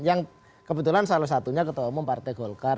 yang kebetulan salah satunya ketemu partai golkar